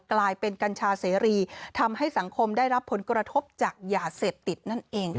กลายเป็นกัญชาเสรีทำให้สังคมได้รับผลกระทบจากยาเสพติดนั่นเองค่ะ